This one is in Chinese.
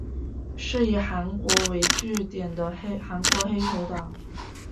是以韩国为据点的韩国黑手党。